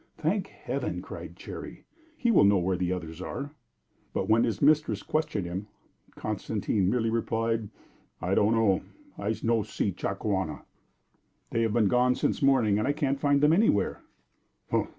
"Thank Heaven!" cried Cherry. "He will know where the others are." But when his mistress questioned him, Constantine merely replied: "I don' know. I no see Chakawana." "They have been gone since morning, and I can't find them anywhere."